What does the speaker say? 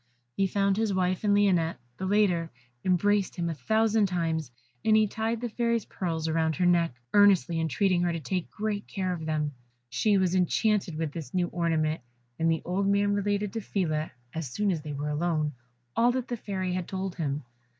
He found his wife and Lionette; the latter embraced him a thousand times, and he tied the Fairy's pearls round her neck, earnestly entreating her to take great care of them. She was enchanted with this new ornament, and the old man related to Phila, as soon as they were alone, all that the Fairy had told him.